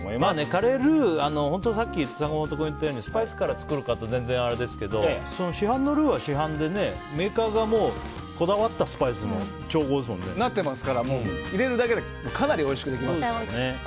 カレールーさっき坂本君が言ったようにスパイスから作る方は全然あれですけど市販のルーは市販でメーカーがこだわったスパイスの入れるだけでかなりおいしくできます。